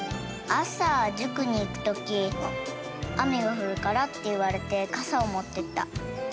朝塾に行く時雨が降るからって言われて傘を持ってった。